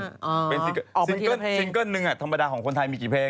ซิงเกิ้ลนึงอ่ะธรรมดาของคนไทยมีกี่เพลง